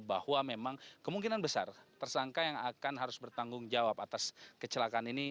bahwa memang kemungkinan besar tersangka yang akan harus bertanggung jawab atas kecelakaan ini